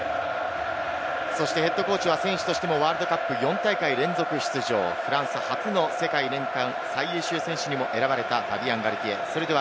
そしてＨＣは選手としてもワールドカップ４大会連続出場、フランス発の世界年間最優秀選手にも選ばれたファビアン・ガルティエです。